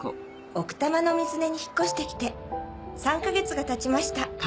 奥多摩の水根に引っ越してきて３か月がたちましたあっ